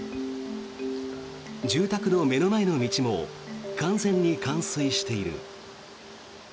住宅の目の前の道も完全に冠水している。